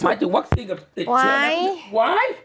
หมายถึงวัคซีนกับติดเชื้อนักยุ่งไว้